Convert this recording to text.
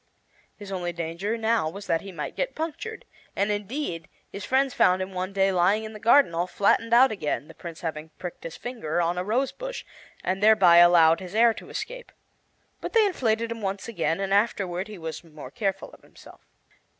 His only danger now was that he might get punctured; and, indeed, his friends found him one day lying in the garden, all flattened out again, the Prince having pricked his finger on a rose bush and thereby allowed his air to escape. But they inflated him once again, and afterward he was more careful of himself.